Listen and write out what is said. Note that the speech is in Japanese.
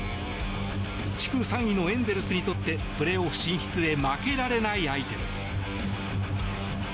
地区３位のエンゼルスにとってプレーオフ進出へ負けられない相手です。